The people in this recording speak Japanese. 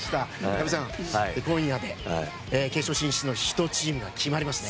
矢部さん、今夜で決勝進出の１チームが決まりますね。